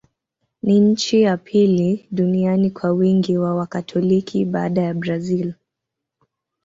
Ni nchi ya pili duniani kwa wingi wa Wakatoliki, baada ya Brazil.